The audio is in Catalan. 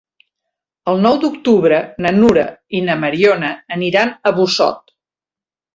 El nou d'octubre na Nura i na Mariona aniran a Busot.